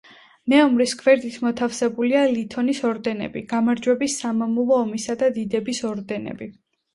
მეომრის გვერდით მოთავსებულია ლითონის ორდენები: გამარჯვების, სამამულო ომისა და დიდების ორდენები.